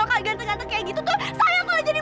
kalau ganteng ganteng kayak gitu tuh saya akan jadi maling